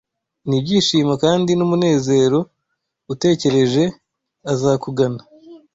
Nibyishimo, kandi numunezero utekereje, Azakugana